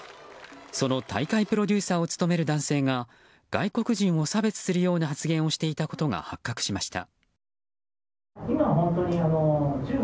その大会プロデューサーを務める男性が外国人を差別するような発言をしていたことが発覚しました。